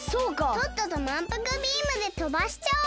とっととまんぷくビームでとばしちゃおう！